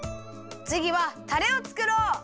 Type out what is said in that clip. つぎはたれをつくろう！